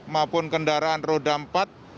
maupun kendaraan roda empat